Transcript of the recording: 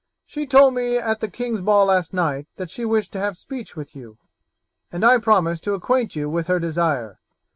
She told me at the king's ball last night that she wished to have speech with you, and I promised to acquaint you with her desire.